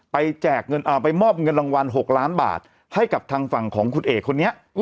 ไปมอบเงินรางวัล๖ล้านบาทให้กับทางฝั่งของคุณเอกคนนี้